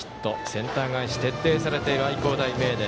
センター返し、徹底されている愛工大名電。